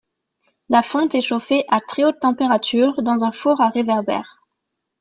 La fonte est chauffée à très haute température dans un four à réverbère.